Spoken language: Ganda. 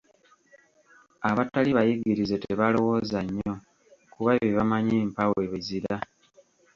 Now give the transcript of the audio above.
Abatali bayigirize tebalowooza nnyo, kuba bye bamanyi mpa we bizira.